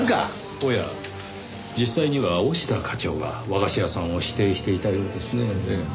おや実際には押田課長が和菓子屋さんを指定していたようですねぇ。